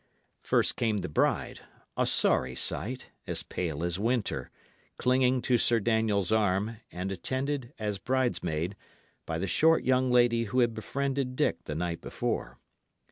First came the bride, a sorry sight, as pale as winter, clinging to Sir Daniel's arm, and attended, as brides maid, by the short young lady who had befriended Dick the night before.